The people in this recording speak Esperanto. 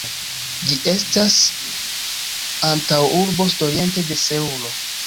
Ĝi estas antaŭurbo sudoriente de Seulo.